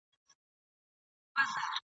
څوک له لویه سره ټیټ وي زېږېدلي !.